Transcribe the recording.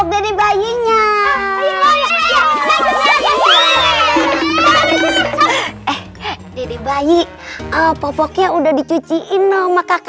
kalian jangan bersih